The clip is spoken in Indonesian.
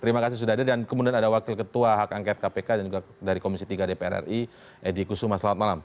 terima kasih sudah ada dan kemudian ada wakil ketua hak angket kpk dan juga dari komisi tiga dpr ri edy kusuma selamat malam